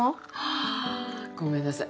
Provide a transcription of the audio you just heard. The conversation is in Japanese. あごめんなさい。